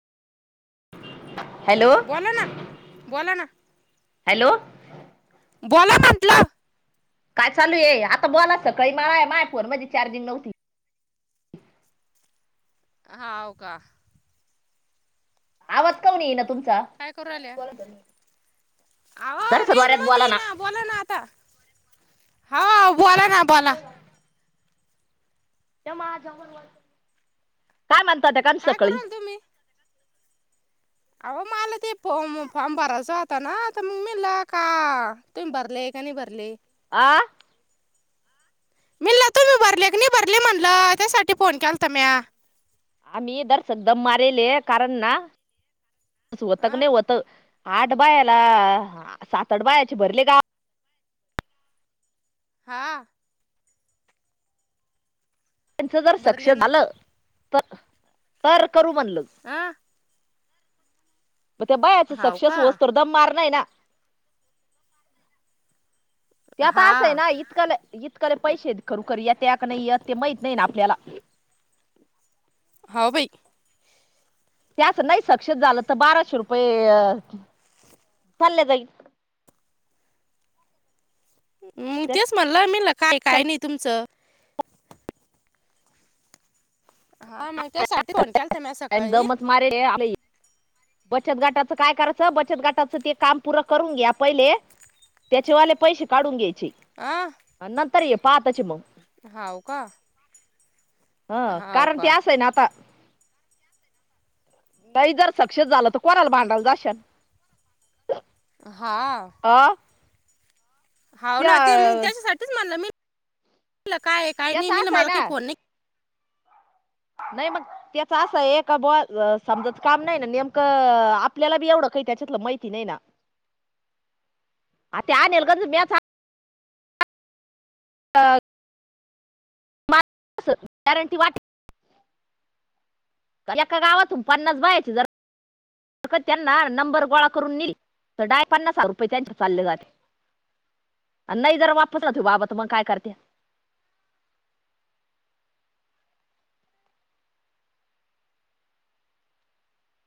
Hello, बोला ना, बोला ना. हॅलो, बोला म्हटलं. काय चालू ये? आता बोला सकाळी मळा आहे. माय फोन मध्ये चार्जिंग नव्हती. हाव का. आवाज कावून ये ना तुमचा? काय करू राल्या? आओ दरसक रेज वाऱ्यात मधी बोला ये ना. बोला ना आता, आहो बोला ना बोला. ते माझा म्हणून, काय मनतात हे [unintelligible] काय करू सकाळी. राहिले तुम्ही अहो माल ते फो फॉर्म भराच होता न, त मग मिल का तुम्ही भरले, का नाही भरले? आ, म्हणलं तुम्ही भरले की नाही भरले म्हणल, त्यासाठी फोन केलता म्या. आम्ही दर सकदम मारेल ये कारण ना वतग अं, लय होत. आठ बायाला सात आठ बायाचे भरले गा हा, त्यांच जर सक्ष भरले ना झालं, तर तर करू म्हणलं. आ म त्या बायाच हाव सक्सेस का होस तर दम मार ये ना, ते आता हा असं आहे ना, इतकाले इतकाले पैसेत खरोखर येत्या का नाही येत माहित नाही ना आपल्याला. हो बाई. त्याच नाही सक्सेस झालं त बाराशे रुपये चालले जाईल. म तेच त्याच्या म्हणलं मिल काय काय नाही तुमचं. हा मग त्यासाठी फोन केलता म्या सकाळी. दमच मारे ये [unintelligible] बचत गटाचं काय कराचं. बचत गटाचं ते काम पूरं करून घ्या पहिले. त्याचेवाले पैसे काढून घ्यायचे. अ, नंतर ये. पा आताची मग हा का, ह हाव कारण ते का अस आहे ना आता, नाही जर सक्सेस झालं त कोणाला भांडाला जाशाल. हा, आ, हो ना ते त्याच्यासाठीच म्हणलं मी काय काही नाही त्याचं मिलं असं आहे मला काही ना फोन नाही नाही मग त्याच असय एक समजाच काम नाही ना नेमकं आपल्याला बी एवढं काही त्याच्यातलं माहिती नाही. [unintelligible] आता त्या अनिलगंच मच [unintelligible] एका गावातून पन्नास बायची जर फत त्यांना नंबर गोळा करून नेल तर डा पन्नास हजार रुपये त्यांच्या चालले जाते नाही जर वापस या तर बाबा त मग काय करते.